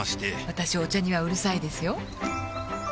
私お茶にはうるさいですよ